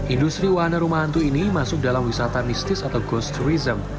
industri wahana rumah hantu ini masuk dalam wisata mistis atau ghost tourism